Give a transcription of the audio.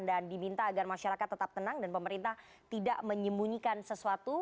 dan diminta agar masyarakat tetap tenang dan pemerintah tidak menyembunyikan sesuatu